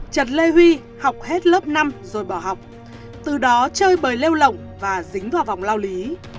trần lê huy học hết lớp năm rồi bỏ học từ đó chơi bời lêu lỏng và dính vào vòng lao lý